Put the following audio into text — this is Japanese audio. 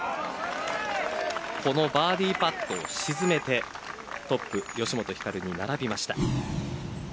このバーディーパットを沈めてトップ吉本ひかるに並びました。